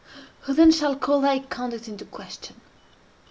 Who then shall call thy conduct into question?